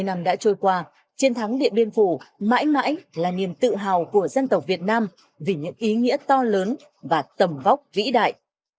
bảy mươi năm đã trôi qua chiến thắng điện biên phủ mãi mãi là niềm tự hào của dân tộc việt nam vì những ý nghĩa to lớn và tầm vóc vĩ đại